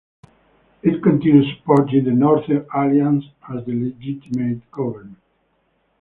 It continued supporting the Northern Alliance as the legitimate government.